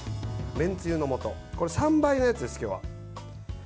めんつゆのもと３倍のやつです、今日は。